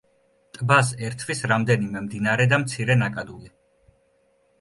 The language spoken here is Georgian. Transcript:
ტბას ერთვის რამდენიმე მდინარე და მცირე ნაკადული.